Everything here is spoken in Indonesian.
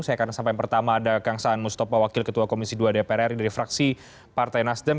saya akan sampaikan pertama ada kang saan mustafa wakil ketua komisi dua dpr ri dari fraksi partai nasdem